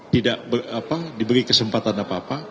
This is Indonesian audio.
tidak diberi kesempatan apa apa